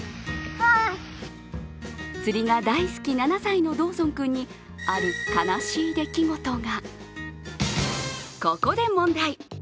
釣りが大好き、７歳のドーソン君にある悲しい出来事が。